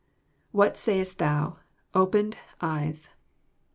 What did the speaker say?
^ [What say est tAoti... opened... eyes.